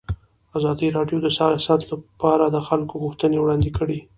ازادي راډیو د سیاست لپاره د خلکو غوښتنې وړاندې کړي.